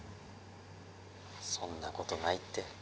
そんなことないって。